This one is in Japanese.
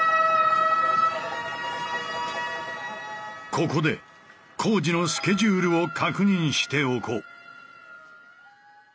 ここで工事のスケジュールを確認しておこう。